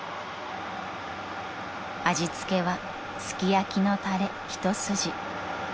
［味付けはすき焼きのたれ一筋］